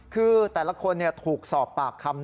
คือแต่ละคนถูกสอบปากคำ